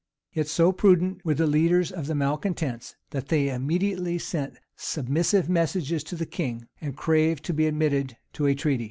[] Yet so prudent were the leaders of the malecontents, that they immediately sent submissive messages to the king, and craved to be admitted to a treaty.